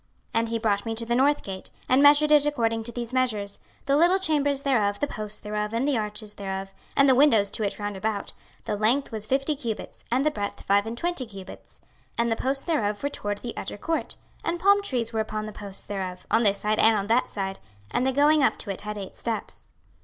26:040:035 And he brought me to the north gate, and measured it according to these measures; 26:040:036 The little chambers thereof, the posts thereof, and the arches thereof, and the windows to it round about: the length was fifty cubits, and the breadth five and twenty cubits. 26:040:037 And the posts thereof were toward the utter court; and palm trees were upon the posts thereof, on this side, and on that side: and the going up to it had eight steps.